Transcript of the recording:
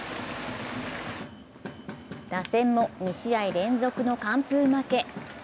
打線も２試合連続の完封負け。